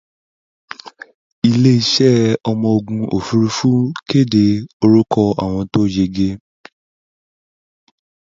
Iléeṣẹ́ ọmọogun òfúrufú kéde orúkọ àwọn tó yege.